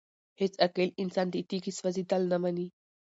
هيڅ عاقل انسان د تيږي سوزيدل نه مني!!